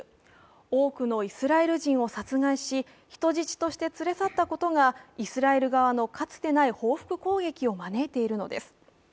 多くのイスラエル人を殺害し、人質として連れ去ったことがイスラエル側のかつてない報復攻撃を招いているのです。